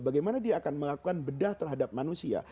bagaimana dia akan melakukan bedah terhadap manusia